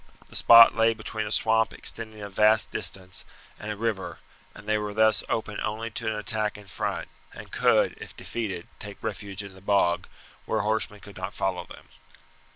The spot lay between a swamp extending a vast distance, and a river, and they were thus open only to an attack in front, and could, if defeated, take refuge in the bog, where horsemen could not follow them.